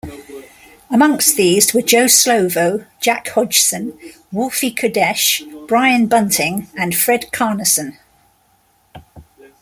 Amongst these were Joe Slovo, Jack Hodgson, Wolfie Kodesh, Brian Bunting and Fred Carneson.